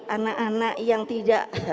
anak anak yang tidak